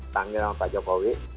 tanggil sama pak jokowi